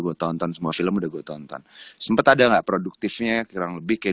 gue tonton semua film udah gue tonton sempat ada nggak produktifnya kurang lebih kayak